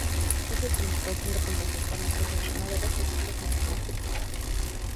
Es el principal centro comercial para empresas ganaderas y agrícolas en la zona circundante.